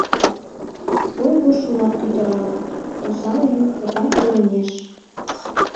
Ойго шула тӱтырала, Осал ю пыта курымеш.